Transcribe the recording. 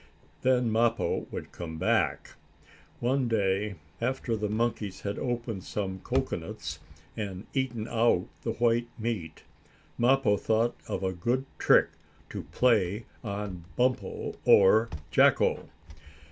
Then Mappo would come back. One day, after the monkeys had opened some cocoanuts and eaten out the white meat, Mappo thought of a good trick to play on Bumpo or Jacko.